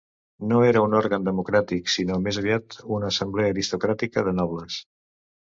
No era un òrgan democràtic, sinó més aviat una assemblea aristocràtica de nobles.